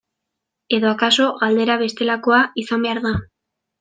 Edo akaso galdera bestelakoa izan behar da.